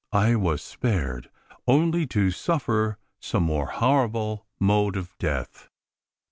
I was spared only to suffer some more horrible mode of death.